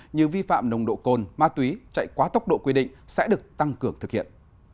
như vi phạm nồng độ cồn ma túy chạy quá tốc độ quy định sẽ được tăng cường thực hiện